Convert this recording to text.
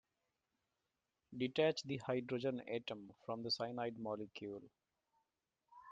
Detach the hydrogen atom from the cyanide molecule.